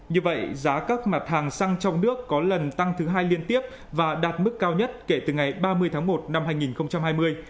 như vậy giá các mặt hàng xăng trong nước có lần tăng thứ hai liên tiếp và đạt mức cao nhất kể từ ngày ba mươi tháng một năm hai nghìn hai mươi